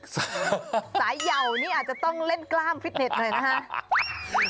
สายเยาวนี่อาจจะต้องเล่นกล้ามฟิตเน็ตหน่อยนะฮะ